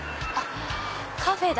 カフェだ！